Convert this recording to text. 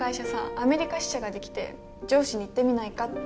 アメリカ支社が出来て上司に行ってみないかって。